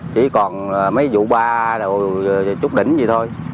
chỉ còn mấy vụ ba chút đỉnh vậy thôi